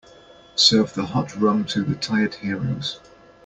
Serve the hot rum to the tired heroes.